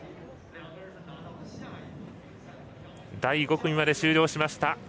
第５組まで終了しました。